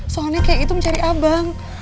soalnya kayak itu mencari abang